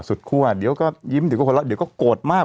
คั่วเดี๋ยวก็ยิ้มเดี๋ยวก็หัวเราะเดี๋ยวก็โกรธมาก